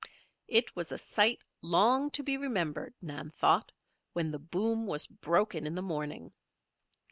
It was a sight long to be remembered, Nan thought, when the boom was broken in the morning.